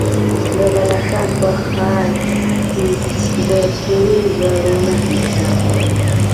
د بدخشان په خاش کې د سرو زرو نښې شته.